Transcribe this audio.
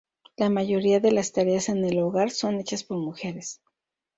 La mayoría de las tareas en el hogar son hechas por mujeres.